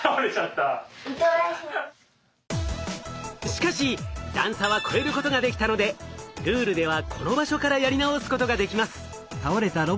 しかし段差は越えることができたのでルールではこの場所からやり直すことができます。